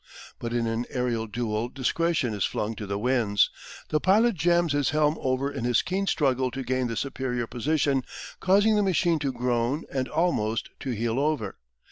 But in an aerial duel discretion is flung to the winds. The pilot jambs his helm over in his keen struggle to gain the superior position, causing the machine to groan and almost to heel over.